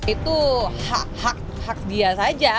itu hak dia saja